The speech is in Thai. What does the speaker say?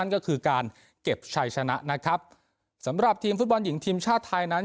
ก็คือการเก็บชัยชนะนะครับสำหรับทีมฟุตบอลหญิงทีมชาติไทยนั้น